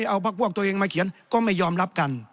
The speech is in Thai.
เอาพักพวกตัวเองมาเขียนก็ไม่ยอมรับกัน